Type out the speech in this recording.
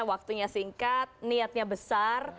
waktunya singkat niatnya besar